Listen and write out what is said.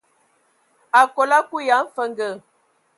Akol akui ya a mfənge.